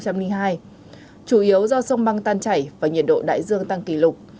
chủ yếu do sông băng tan chảy và nhiệt độ đại dương tăng kỷ lục